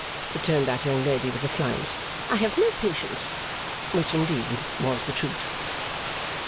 returned that young lady with a flounce. 'I have no patience' (which indeed was the truth).